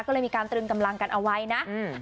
ก็เลยมีการตรึงกำลังกันเอาไว้นะ